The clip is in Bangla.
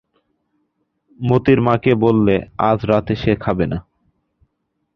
মোতির মাকে বললে, আজ রাত্রে সে খাবে না।